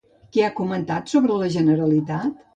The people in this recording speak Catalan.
Què ha comentat sobre la Generalitat?